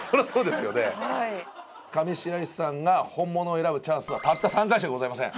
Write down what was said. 上白石さんが本物を選ぶチャンスはたった３回しかございません。